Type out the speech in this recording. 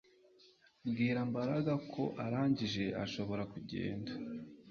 Bwira Mbaraga ko arangije ashobora kugenda